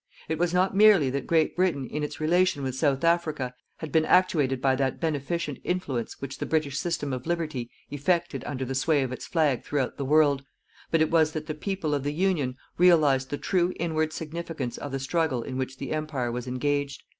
It was not merely that Great Britain in its relation with South Africa had been actuated by that beneficent influence which the British system of liberty effected under the sway of its flag throughout the world, but it was that the people of the Union realized the true inward significance of the struggle in which the Empire was engaged.